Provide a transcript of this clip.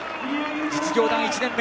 実業団１年目。